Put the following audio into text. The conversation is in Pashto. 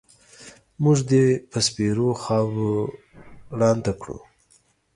مونږ دې په سپېرو خاورو ړانده کړو